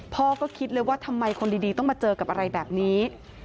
พ่อก็คิดเลยว่าทำไมคนดีต้องมาเจอกับอะไรแบบนี้